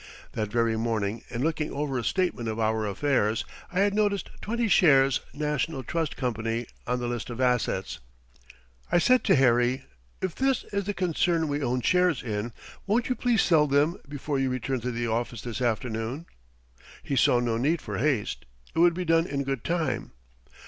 That very morning in looking over a statement of our affairs I had noticed twenty shares "National Trust Company" on the list of assets. I said to Harry: "If this is the concern we own shares in, won't you please sell them before you return to the office this afternoon?" He saw no need for haste. It would be done in good time.